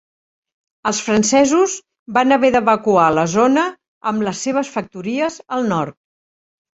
Els francesos van haver d'evacuar la zona amb les seves factories al nord.